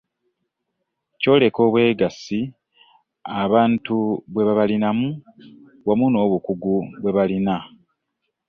Kyoleka obwesige abantu bwe babalinamu wamu n’obukugu bwe balina.